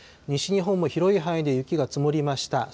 西日本も広い範囲で雪が積もりました。